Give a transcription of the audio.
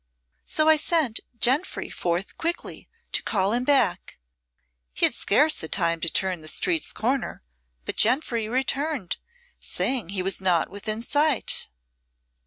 So I sent Jenfry forth quickly to call him back. He had scarce had time to turn the street's corner, but Jenfry returned, saying he was not within sight."